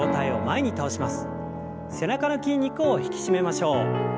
背中の筋肉を引き締めましょう。